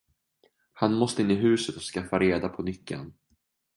Han måste in i huset och skaffa reda på nyckeln.